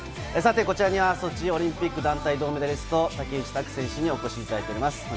こちらにはソチオリンピック団体銅メダリスト・竹内択選手にお越しいただいております。